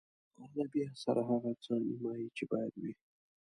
ادبي اثر هغه څه نمایي چې باید وي.